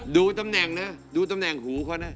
ดูตำแหน่งนะดูตำแหน่งหูเขานะ